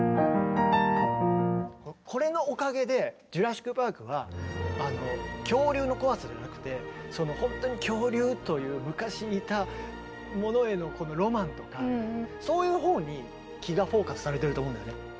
これのおかげで「ジュラシック・パーク」は恐竜の怖さじゃなくて本当に恐竜という昔いたものへのロマンとかそういうほうに気がフォーカスされてると思うんだよね。